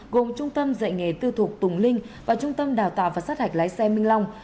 gồm trung tâm dạy nghề tư thục tùng linh và trung tâm đào tạo và sát hạch lái xe minh long